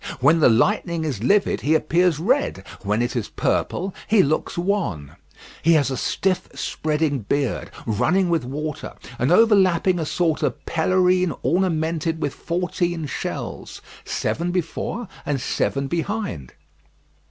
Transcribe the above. When the lightning is livid, he appears red; when it is purple, he looks wan. He has a stiff spreading beard, running with water, and overlapping a sort of pelerine, ornamented with fourteen shells, seven before and seven behind.